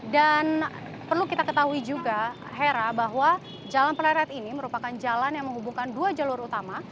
dan perlu kita ketahui juga hera bahwa jalan pleret ini merupakan jalan yang menghubungkan dua jalur utama